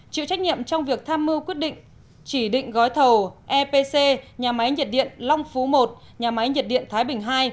chịu trách nhiệm trong việc tham mưu quyết định chỉ định gói thầu epc nhà máy nhiệt điện long phú một nhà máy nhiệt điện thái bình ii